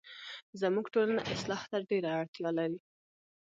زموږ ټولنه اصلاح ته ډيره اړتیا لري